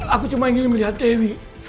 aku cuma ingin melihat demi